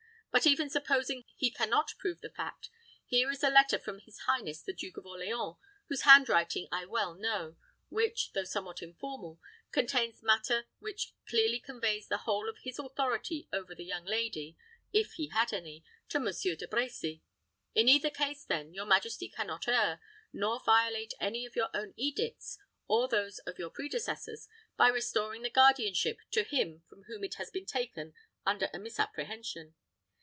But even supposing he can not prove the fact, here is a letter from his highness the Duke of Orleans, whose handwriting I well know, which, though somewhat informal, contains matter which clearly conveys the whole of his authority over the young lady, if he had any, to Monsieur De Brecy. In either case, then, your majesty can not err, nor violate any of your own edicts, or those of your predecessors, by restoring the guardianship to him from whom it has been taken under a misapprehension.